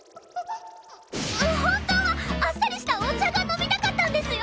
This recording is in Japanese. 本当はあっさりしたお茶が飲みたかったんですよ！